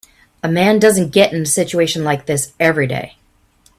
A man doesn't get in a situation like this every day.